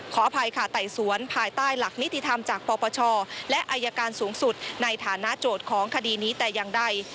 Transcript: ขออภัยค่ะไต่สวนภายใต้หลักนิติธรรมจากปปชและอายการสูงสุดในฐานะโจทย์ของคดีนี้แต่อย่างใด